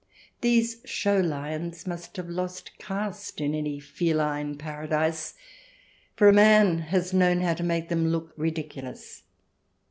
These show lions must have lost caste in any feline paradise, for man has known how to make them look ridiculous.